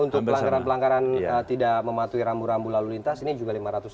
untuk pelanggaran pelanggaran tidak mematuhi rambu rambu lalu lintas ini juga lima ratus